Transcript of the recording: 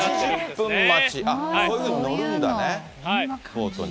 あっ、こういうふうに乗るんだね。